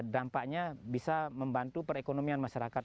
dampaknya bisa membantu perekonomian masyarakat